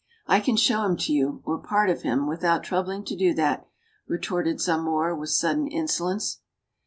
"I can show him to you or part of him without troubling to do that," retorted Zamore, with sudden insolence.